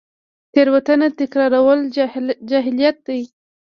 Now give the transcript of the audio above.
تیروتنه تکرارول جهالت دی